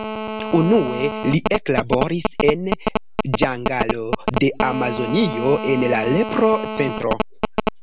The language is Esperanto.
Unue li eklaboris en ĝangalo de Amazonio en la lepro-centro.